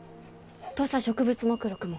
土佐植物目録も？